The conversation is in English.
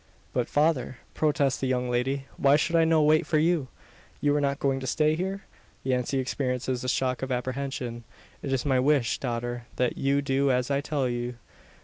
"But, father!" protests the young lady, "why should I no wait for you? You are not going to stay here?" Yancey experiences a shock of apprehension. "It is my wish, daughter, that you do as I tell you.